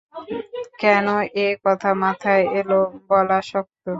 কেন এ কথা মাথায় এল বলা শক্ত।